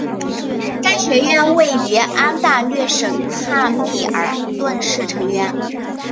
该学院位于安大略省汉密尔顿市成员。